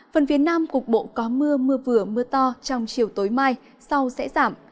phần phía nam cục bộ có mưa mưa vừa mưa to trong chiều tối mai sau sẽ giảm